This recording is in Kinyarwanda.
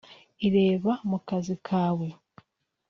ireba mu kazi kawe